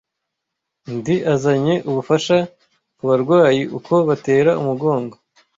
Ndi azanye ubufasha kubarwayi uko batera umugongo,